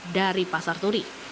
dari pasar turi